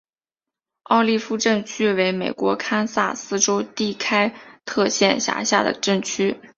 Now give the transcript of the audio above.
奥利夫镇区为美国堪萨斯州第开特县辖下的镇区。